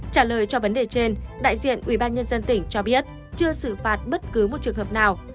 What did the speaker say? trả lời cho vấn đề trên đại diện ubnd tỉnh cho biết chưa xử phạt bất cứ một trường hợp nào